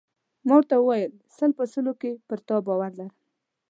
ما ورته وویل: سل په سلو کې پر تا باور لرم.